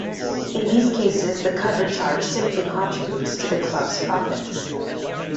In these cases, the cover charge simply contributes to the club's profits.